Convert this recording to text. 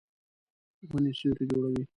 ونې سیوری جوړوي.